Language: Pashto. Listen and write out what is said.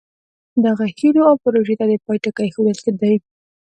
دغو هیلو او پروژو ته د پای ټکی ایښودل دي.